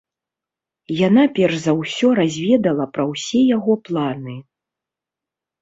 Яна перш за ўсё разведала пра ўсе яго планы.